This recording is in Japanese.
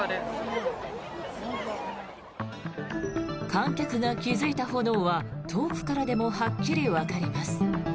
観客が気付いた炎は遠くからでもはっきりわかります。